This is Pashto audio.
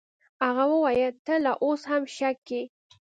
هغه وويل ته لا اوس هم شک کيې.